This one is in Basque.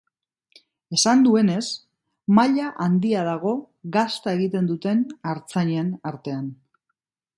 Esan duenez, maila handia dago gazta egiten duten artzainen artean.